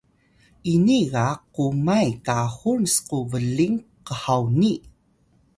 ini ga kumay kahun sku bling khawni